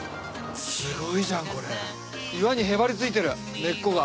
すごいじゃんこれ岩にへばりついてる根っこが。